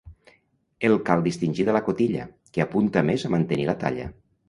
El cal distingir de la cotilla, que apunta més a mantenir la talla.